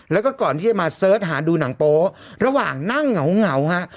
แล้วก็ก่อนที่จะมาเสิร์ชหาดูหนังโป๊ระหว่างนั่งเหงาฮะ